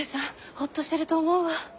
ホッとしてると思うわ。